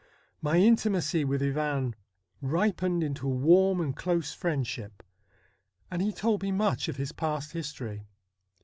My intimacy with Ivan ripened into a warm and close friendship, and he told me much of his past history.